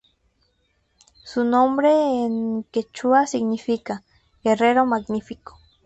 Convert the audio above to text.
Su nombre en quechua significa "Guerrero magnífico".